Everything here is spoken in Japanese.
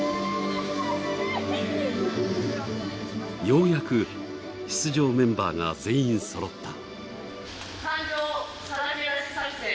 ようやく出場メンバーが全員そろった。